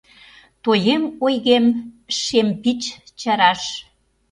Тоем ойгем шем пич чараш.